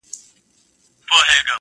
چی هر څوک به په سزا هلته رسېږي؛